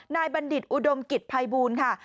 บัณฑิตอุดมกิจภัยบูลค่ะ